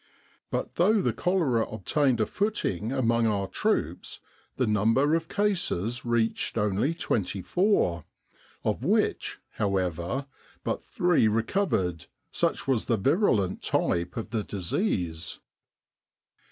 But though the cholera obtained a foot ing among our troops the number of cases reached only twenty four, of which, however, but three re covered, such was the virulent type of the disease.